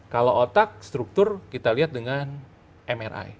kalau otak struktur kita lihat dengan mri